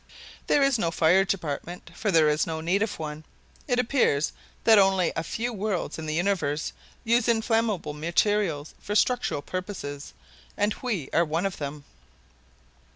There is no Fire Department, for there is no need of one. It appears that only a few worlds in the universe use inflammable materials for structural purposes, and we are one of them.